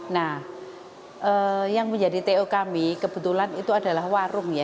nah yang menjadi to kami kebetulan itu adalah warung ya